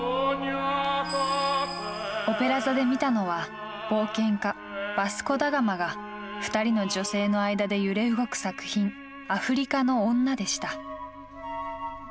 オペラ座で見たのは冒険家バスコ・ダ・ガマが２人の女性の間で揺れ動く作品「アフリカの女」でした。